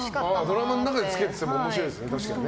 ドラマの中で着けてても面白いですね。